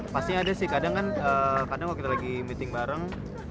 pasti ada sih kadang kan kadang kalau kita lagi meeting bareng